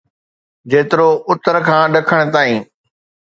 جيترو اتر کان ڏکڻ تائين.